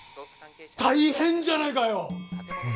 大変じゃないかよ！